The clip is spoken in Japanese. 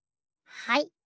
はい。